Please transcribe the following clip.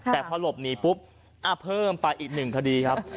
แต่พอหลบหนีปุ๊บเพิ่มไปอีกหนึ่งคดีครับ